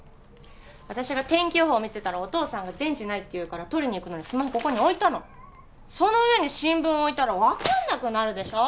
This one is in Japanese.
私が天気予報見てたらお父さんが電池ないっていうから取りに行くのにスマホここに置いたのその上に新聞置いたら分かんなくなるでしょ？